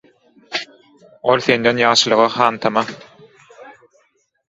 Ol senden ýagşylyga hantama.